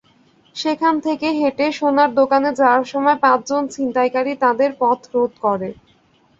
সেখানে থেকে হেঁটে সোনার দোকানে যাওয়ার সময় পাঁচজন ছিনতাইকারী তাঁদের পথরোধ করে।